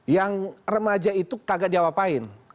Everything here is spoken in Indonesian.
yang remaja itu kagak jawab apa apa